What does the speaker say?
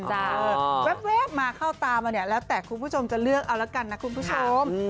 แว๊บมาเข้าตามาเนี่ยแล้วแต่คุณผู้ชมจะเลือกเอาละกันนะคุณผู้ชม